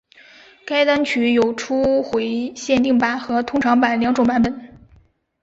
该单曲有初回限定版和通常版两种版本。